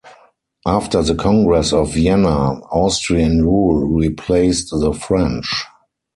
After the Congress of Vienna, Austrian rule replaced the French.